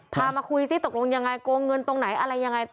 มาคุยซิตกลงยังไงโกงเงินตรงไหนอะไรยังไง